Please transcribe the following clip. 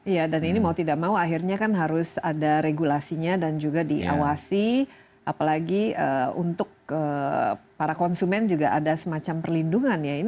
iya dan ini mau tidak mau akhirnya kan harus ada regulasinya dan juga diawasi apalagi untuk para konsumen juga ada semacam perlindungan ya